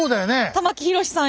玉木宏さん